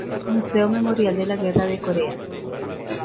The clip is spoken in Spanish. Museo Memorial de la Guerra de Corea.